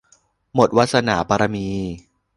หมดวาสนาบารมี